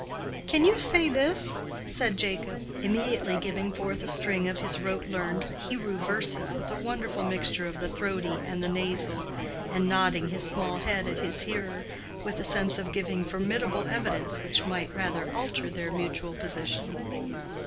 "Can you say this?" said Jacob, immediately giving forth a string of his rote learned Hebrew verses with a wonderful mixture of the throaty and the nasal, and nodding his small head at his hearer, with a sense of giving formidable evidence which might rather alter their mutual position.